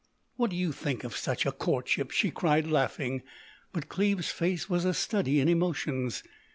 What do you think of such a courtship?" she cried, laughing. But Cleves's face was a study in emotions.